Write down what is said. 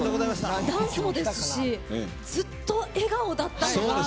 ダンスもですしずっと笑顔だったのが。